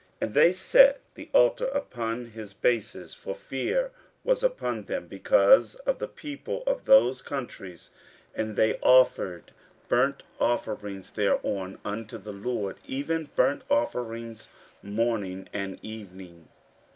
15:003:003 And they set the altar upon his bases; for fear was upon them because of the people of those countries: and they offered burnt offerings thereon unto the LORD, even burnt offerings morning and evening.